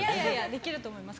できると思います。